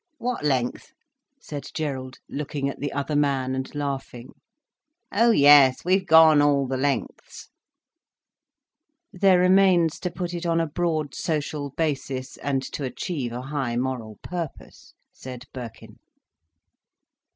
"What length?" said Gerald, looking at the other man, and laughing. "Oh yes, we've gone all the lengths." "There remains to put it on a broad social basis, and to achieve a high moral purpose," said Birkin.